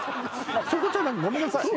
そこじゃないのごめんなさい